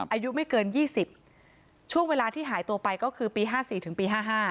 อายุไม่เกิน๒๐ช่วงเวลาที่หายตัวไปก็คือปี๕๔ถึงปี๕๕